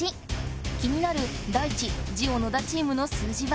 気になるダイチ・ジオ野田チームの数字は？